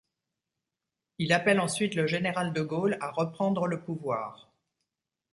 Il appelle ensuite le général de Gaulle à reprendre le pouvoir.